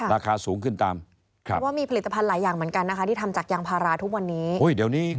ราคาสูงขึ้นตามครับเพราะว่ามีผลิตภัณฑ์หลายอย่างเหมือนกันนะคะที่ทำจากยางพาราทุกวันนี้เดี๋ยวนี้